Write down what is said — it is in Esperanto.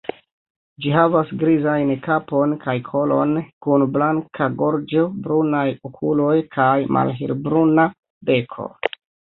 Ĝi havas grizajn kapon kaj kolon, kun blanka gorĝo, brunaj okuloj kaj malhelbruna beko.